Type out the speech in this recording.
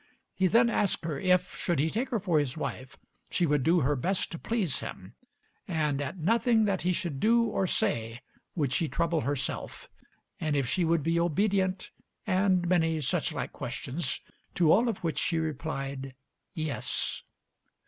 He then asked her if, should he take her for his wife, she would do her best to please him, and at nothing that he should do or say would she trouble herself, and if she would be obedient, and many such like questions, to all of which she replied "yes."